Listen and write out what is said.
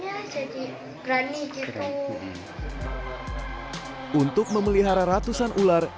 jadi berani gitu untuk memelihara ratusan ular